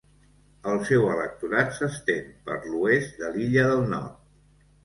El seu electorat s'estén per l'oest de l'illa del Nord.